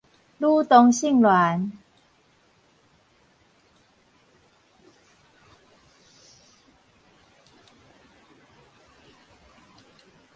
女同性戀